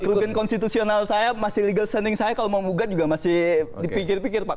rutin konstitusional saya masih legal standing saya kalau mau bugat juga masih dipikir pikir pak